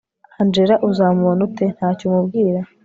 angella uzamubona ute ntacyo umubwira